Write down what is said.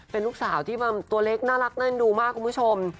เป็นลูกสาวที่ตัวเล็กน่ารักแน่นดูมากคุณผู้ชม